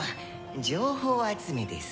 情報集めです。